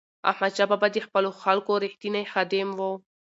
احمدشاه بابا د خپلو خلکو رښتینی خادم و.